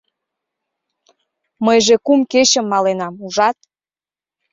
Мыйже кум кечым маленам, ужат?